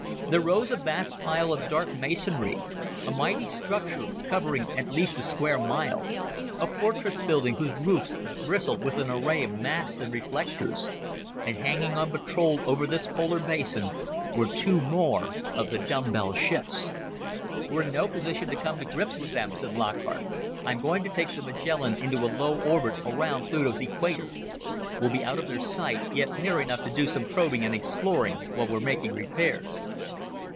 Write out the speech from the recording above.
There rose a vast pile of dark masonry a mighty structure covering at least a square mile, a fortress building whose roofs bristled with an array of masts and reflectors. And hanging on patrol over this polar basin were two more of the dumbbell ships. "We're in no position to come to grips with them," said Lockhart. "I'm going to take the Magellan into a low orbit around Pluto's equator. We'll be out of their sight, yet near enough to do some probing and exploring while we're making repairs."